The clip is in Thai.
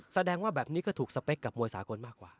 แสดงว่าแบบนี้ก็ถูกสเปคกับมวยสากลมากกว่า